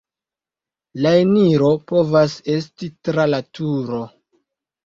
La eniro povas esti tra la turo.